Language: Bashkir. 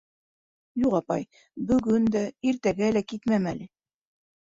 — Юҡ, апай, бөгөн дә, иртәгә лә китмәм әле.